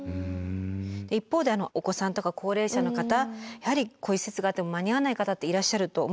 一方でお子さんとか高齢者の方やはりこういう施設があっても間に合わない方っていらっしゃると思うんですね。